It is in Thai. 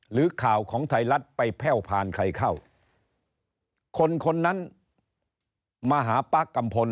หรือข่าวของไทยรัฐไปแพ่วผ่านใครเข้าคนคนนั้นมาหาป๊ากกัมพล